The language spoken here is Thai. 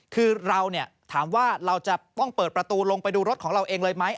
คือเราถามว่าเราจะต้องเปิดประตูลงไปดูรถของเราเองเลยไหม